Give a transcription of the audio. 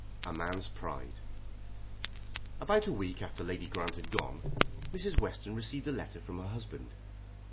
A MAN'S PRIDE. About a week after Lady Grant had gone, Mrs. Western received a letter from her husband.